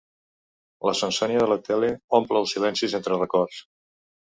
La sonsònia de la tele omple els silencis entre records.